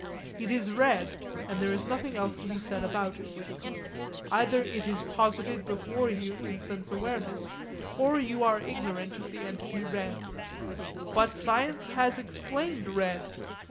It is red, and there is nothing else to be said about it. Either it is posited before you in sense awareness or you are ignorant of the entity red. But science has explained red.